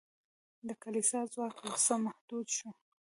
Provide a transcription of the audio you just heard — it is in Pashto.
د کلیسا ځواک یو څه محدود شو.